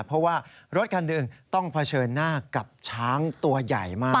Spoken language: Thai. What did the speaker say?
เพราะว่ารถคันหนึ่งต้องเผชิญหน้ากับช้างตัวใหญ่มาก